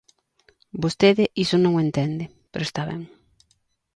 Vostede iso non o entende, pero está ben.